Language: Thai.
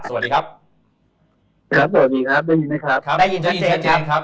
สวัสดีครับได้ยินไหมครับ